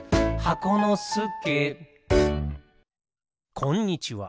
こんにちは。